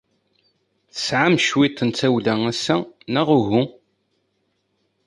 Tesɛam cwiṭ n tawla ass-a, neɣ uhu?